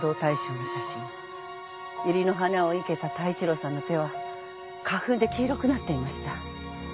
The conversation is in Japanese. ユリの花を生けた太一郎さんの手は花粉で黄色くなっていました。